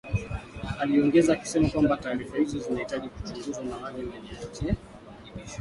aliongeza akisema kwamba taarifa hizo zinahitaji kuchunguzwa na wale wenye hatia wawajibishwe